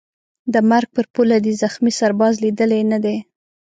د مرګ پر پوله دي زخمي سرباز لیدلی نه دی